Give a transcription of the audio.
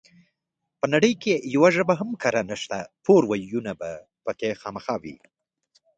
په نړۍ کې يوه ژبه هم کره نشته ده پور وييونه پکې خامخا وي